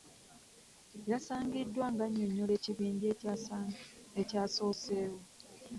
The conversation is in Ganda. Yasangiddwa ng'annyonnyola ekibinja ekya soosewo